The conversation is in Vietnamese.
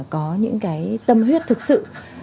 có những tâm huyết thực sự